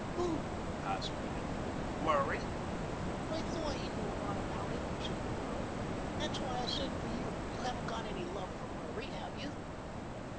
"Who?" asked Edith. "Murray." "I thought he knew a lot about it," said the girl. "That's why I sent for you. You haven't got any love for Murray, have you?"